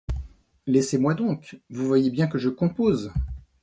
Laissez-moi donc ! vous voyez bien que je compose.